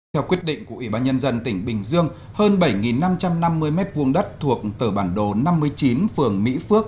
theo quyết định của ủy ban nhân dân tỉnh bình dương hơn bảy năm trăm năm mươi m hai đất thuộc tờ bản đồ năm mươi chín phường mỹ phước